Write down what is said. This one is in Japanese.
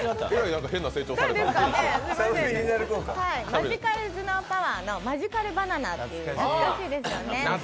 「マジカル頭脳パワー！！」のマジカルバナナっていう懐かしいですよね。